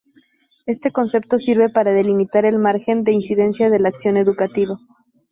Este concepto sirve para delimitar el margen de incidencia de la acción educativa.